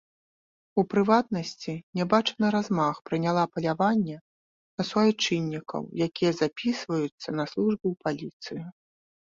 У прыватнасці, нябачаны размах прыняла паляванне на суайчыннікаў, якія запісваюцца на службу ў паліцыю.